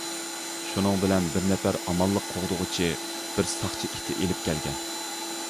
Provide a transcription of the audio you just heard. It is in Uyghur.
شۇنىڭ بىلەن بىر نەپەر ئامانلىق قوغدىغۇچى بىر ساقچى ئىتى ئېلىپ كەلگەن.